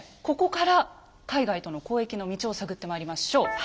ここから海外との交易の道を探ってまいりましょう。